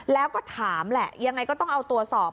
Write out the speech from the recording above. แล้วก็ถามแหละยังไงก็ต้องเอาตัวสอบ